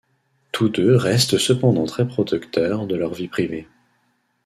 Tous deux restent cependant très protecteurs de leur vie privée.